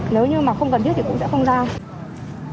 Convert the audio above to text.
nếu như mà không cần giúp thì cũng sẽ không đau